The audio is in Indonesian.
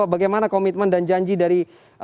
bagaimana komitmen dan janji dari